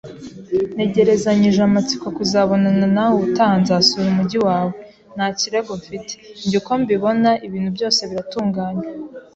Ntegerezanyije amatsiko kuzabonana nawe ubutaha nzasura umujyi wawe. Nta kirego mfite. Njye uko mbibona, ibintu byose biratunganye.